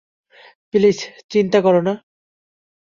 Please, চিন্তা করো না।